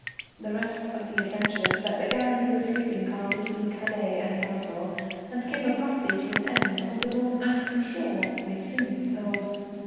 The rest of the adventures that began in the sleeping car between Calais and Basle, and came abruptly to an end on the North African shore, may soon be told.